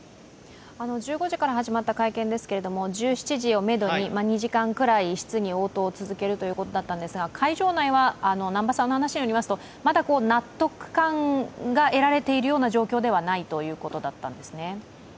１５時から始まった会見ですけども、１７時をめどに２時間くらい質疑応答を続けるということだったんですが会場内は南波さんの話によりますと、納得感が得られているような状況ではないということですね。